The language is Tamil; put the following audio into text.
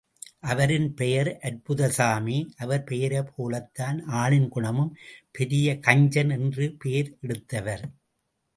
அவரின் பெயர் அற்புதசாமி, அவர் பெயரைப் போலத்தான் ஆளின் குணமும், பெரிய கஞ்சன் என்று பேர் எடுத்தவர்.